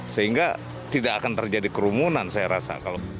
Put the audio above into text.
sehingga tidak akan terjadi kerumunan saya rasa